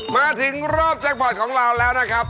มาถึงรอบแจ็คพอร์ตของเราแล้วนะครับ